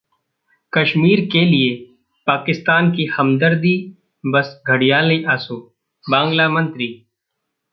कश्मीर के लिए पाकिस्तान की हमदर्दी बस 'घड़ियाली आंसू': बांग्ला मंत्री